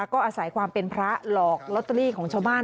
ก็อาศัยความเป็นพระหลอกลอตเตอรี่ของชาวบ้าน